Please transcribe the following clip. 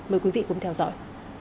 mời quý vị cùng theo dõi